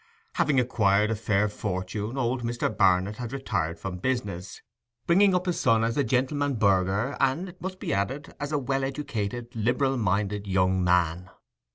Having acquired a fair fortune, old Mr. Barnet had retired from business, bringing up his son as a gentleman burgher, and, it must be added, as a well educated, liberal minded young man.